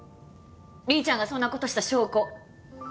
凛ちゃんがそんな事をした証拠。